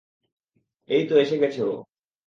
এইতো এসে গেছে ও।